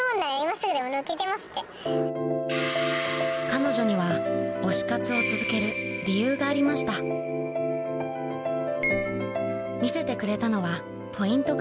彼女には推し活を続ける理由がありました見せてくれたのはポイント